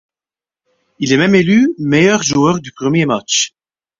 Il est même élu meilleur joueur du premier match.